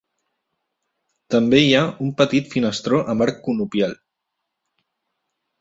També hi ha un petit finestró amb arc conopial.